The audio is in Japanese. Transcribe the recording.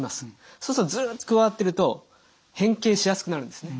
そうするとずっと加わってると変形しやすくなるんですね。